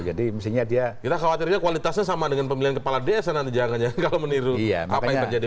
kita khawatirnya kualitasnya sama dengan pemilihan kepala desa nanti jangan jangan kalau meniru apa yang terjadi